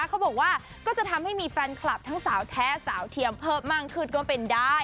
เขาบอกว่าก็จะทำให้มีแฟนคลับทั้งสาวแท้สาวเทียมเพิ่มมากขึ้นก็เป็นได้